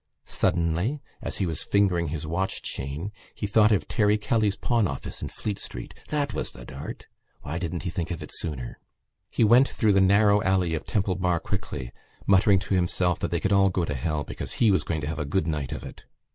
Suddenly, as he was fingering his watch chain, he thought of Terry Kelly's pawn office in Fleet Street. That was the dart! Why didn't he think of it sooner? He went through the narrow alley of Temple Bar quickly, muttering to himself that they could all go to hell because he was going to have a good night of it.